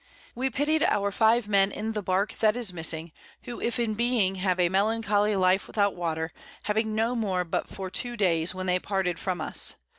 We pity'd our 5 Men in the Bark that is missing, who if in being have a melancholy Life without Water, having no more but for 2 Days, when they parted from us.